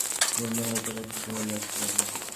দিনে দিনে লক্ষ্যের কাছাকাছি চলে যাচ্ছি আমি।